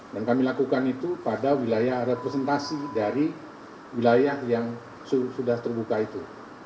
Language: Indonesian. dan kami lakukan itu pada wilayah representasi dari wilayah yang sudah terbuka itu